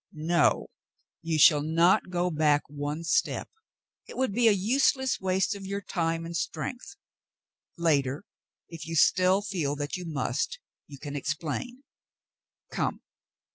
'"No. You shall not go back one step. It would be a useless waste of your time and strength. Later, if you still feel that you must, you can explain. Come."